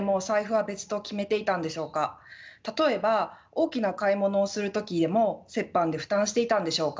例えば大きな買い物をする時でも折半で負担していたんでしょうか？